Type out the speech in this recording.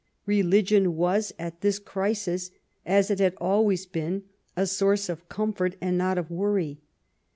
Religion was at thia crisis, as it had always been, a source of comfort and not of worry.